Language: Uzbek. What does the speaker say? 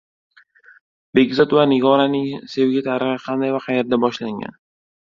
Bekzod va Nigoraning sevgi tarixi qanday va qayerda boshlangan?